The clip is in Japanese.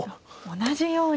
同じように。